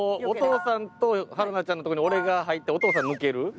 お父さんと春菜ちゃんのところに俺が入ってお父さん抜ける？